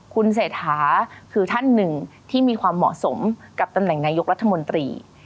คุณเศรษฐาคือท่านหนึ่งที่มีความเหมาะสมกับตำแหน่งนายกรัฐมนตรี